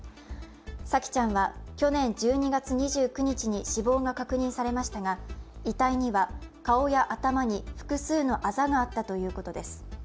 沙季ちゃんは去年１２月２９日に死亡が確認されましたが遺体には顔や頭に複数のあざがあったということです。